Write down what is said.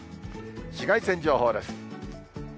紫外線情報です。